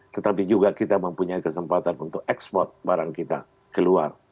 tetapi juga kita mempunyai kesempatan untuk ekspor barang kita keluar